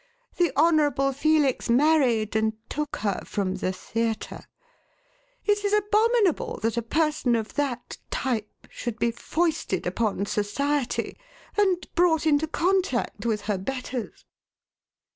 The Honourable Felix married and took her from the theatre. It is abominable that a person of that type should be foisted upon society and brought into contact with her betters."